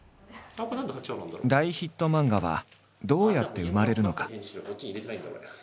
大ヒット漫画はどうやって生まれるのか？